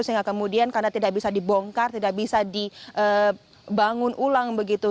sehingga kemudian karena tidak bisa dibongkar tidak bisa dibangun ulang begitu